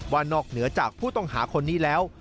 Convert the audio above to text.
นอกเหนือจากผู้ต้องหาคนนี้แล้ว